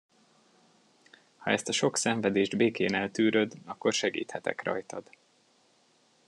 Ha ezt a sok szenvedést békén eltűröd, akkor segíthetek rajtad.